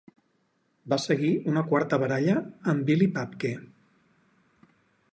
Va seguir una quarta baralla amb Billy Papke.